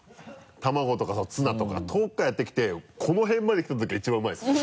卵とかツナとか遠くからやってきてこの辺まで来たときが一番うまいですね。